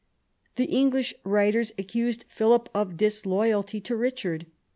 The English writers accused Philip of disloyalty to Eichard.